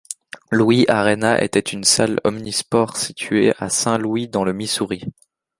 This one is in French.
Louis Arena était une salle omnisports située à Saint-Louis dans le Missouri.